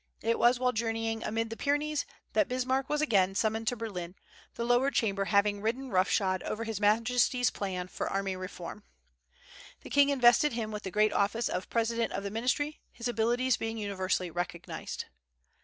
It was while journeying amid the Pyrenees that Bismarck was again summoned to Berlin, the lower Chamber having ridden rough shod over his Majesty's plans for army reform. The king invested him with the great office of President of the Ministry, his abilities being universally recognized.